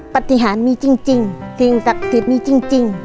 ปฏิหารมีจริงจริงศักดิ์ศิษย์มีจริง